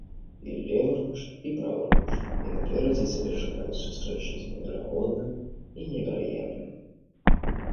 І леваруч, і праваруч, і наперадзе цябе чакаюць сустрэчы з неверагодным і невераемным.